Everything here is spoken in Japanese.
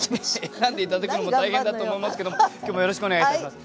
選んで頂くのも大変だと思いますけども今日もよろしくお願いいたします。